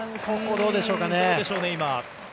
どうでしょうね、今。